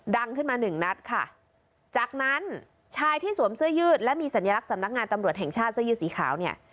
ดังขึ้นมาหนึ่งนัดค่ะจากนั้นชายที่สวมเสื้อยืดและมีสัญลักษณ์สำนักงานตำรวจแห่งชาติเสื้อยืดสีขาวเนี่ย